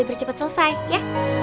biar cepet selesai ya